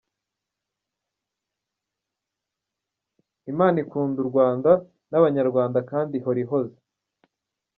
Imana ikunda u Rwanda n’ Abanyarwanda kandi ihora ihoze.